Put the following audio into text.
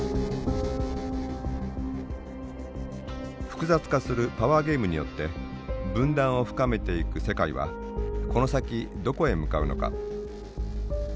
複雑化するパワーゲームによって分断を深めていく世界はこの先どこへ向かうのか。